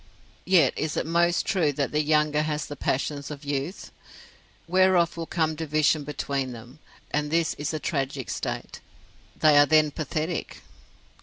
Yet is it most true that the younger has the passions of youth: whereof will come division between them; and this is a tragic state. They are then pathetic.